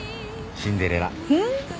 シンデレラ？